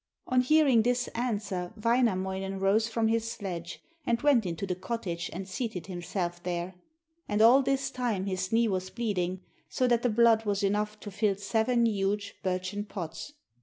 On hearing this answer Wainamoinen rose from his sledge and went into the cottage, and seated himself there. And all this time his knee was bleeding, so that the blood was enough to fill seven huge birchen pots.